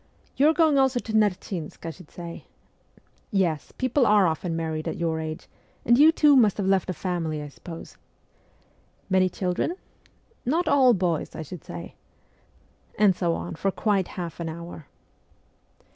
You are going also to Nerchinsk, I should say? Yes, people are often married at your age ; and you, too, must have left a family, I suppose ? Many children ? Not all boys, I should say ?' And so on for quite half an hour.